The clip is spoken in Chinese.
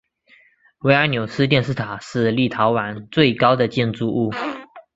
维尔纽斯电视塔是立陶宛最高的建筑物。